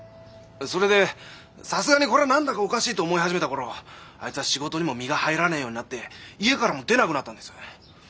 それでさすがにこれは何だかおかしいと思い始めた頃あいつは仕事にも身が入らねえようになって家からも出なくなったんです。